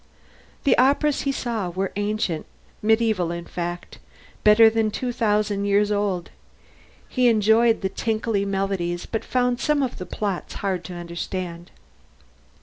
The operas he saw were ancient, medieval in fact, better than two thousand years old; he enjoyed the tinkly melodies but found some of the plots hard to understand.